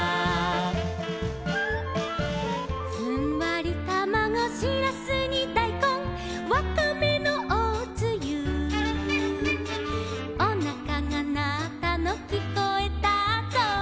「ふんわりたまご」「しらすにだいこん」「わかめのおつゆ」「おなかがなったのきこえたぞ」